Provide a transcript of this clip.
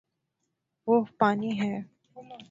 وہ پانی ہے